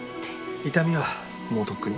痛みはもうとっくに。